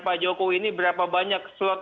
pak jokowi ini berapa banyak slot